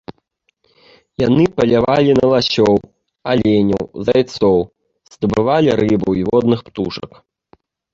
Яны палявалі на ласёў, аленяў, зайцоў, здабывалі рыбу і водных птушак.